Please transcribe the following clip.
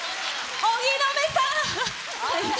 荻野目さん！